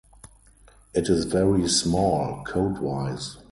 It is very small, code wise.